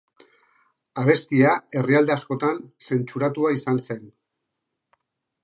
Abestia herrialde askotan zentsuratua izan zen.